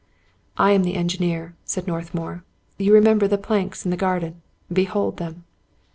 " I am the engineer," said Northmour, " You remember the planks in the garden ? Behold them